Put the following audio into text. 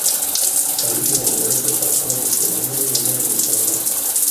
La Virgen de Guadalupe es Patrona de Extremadura y Reina de la Hispanidad.